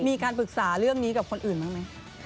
มีการปรึกษาเรื่องนี้กับคนอื่นบ้างไหม